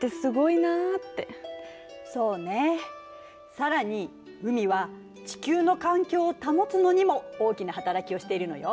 更に海は地球の環境を保つのにも大きな働きをしているのよ。